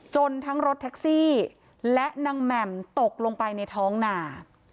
ทั้งรถแท็กซี่และนางแหม่มตกลงไปในท้องหนา